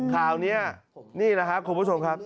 ข่าวนี้นี่แหละครับคุณผู้ชมครับ